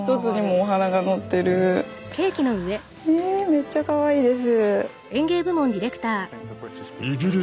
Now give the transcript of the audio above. めっちゃかわいいです。